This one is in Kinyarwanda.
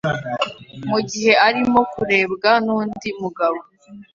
mugihe arimo kurebwa nundi mugabo